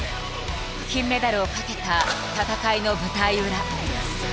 金メダルを懸けた戦いの舞台裏。